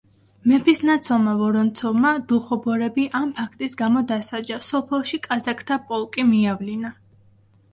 მეფისნაცვალმა ვორონცოვმა დუხობორები ამ ფაქტის გამო დასაჯა, სოფელში კაზაკთა პოლკი მიავლინა.